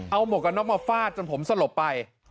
เอาหมกอน้ำมาฟาดจนผมสลบไป